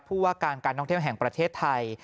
ผู้ว่าการการท่องเที่ยวแห่งประเทศไทย